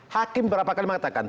hakim berapa kali mengatakan